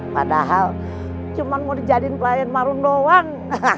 padahal cuma mau dijadiin pelayan marun doang